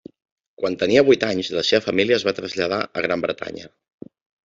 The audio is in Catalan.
Quan tenia vuit anys la seva família es va traslladar a Gran Bretanya.